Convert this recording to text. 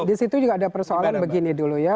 disitu juga ada persoalan begini dulu ya